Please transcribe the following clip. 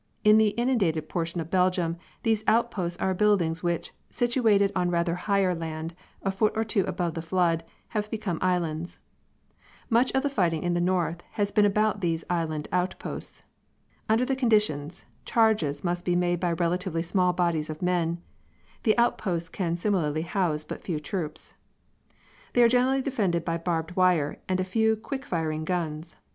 In the inundated portion of Belgium these outposts are buildings which, situated on rather higher land, a foot or two above the flood, have become islands. Much of the fighting in the north has been about these island outposts. Under the conditions, charges must be made by relatively small bodies of men. The outposts can similarly house but few troops. They are generally defended by barbed wire and a few quick firing guns.